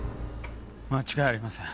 間違いありません。